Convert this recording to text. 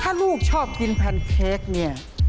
ถ้าลูกชอบกินแพนเค้กเนี่ย